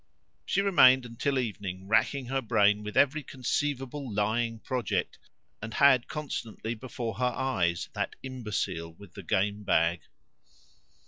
She remained until evening racking her brain with every conceivable lying project, and had constantly before her eyes that imbecile with the game bag.